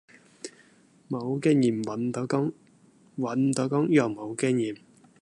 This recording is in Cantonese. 無經驗搵唔到工，搵唔到工又無經驗